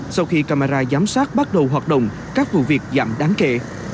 sau khi camera giám sát bắt đầu hoạt động các vụ việc giảm đáng kể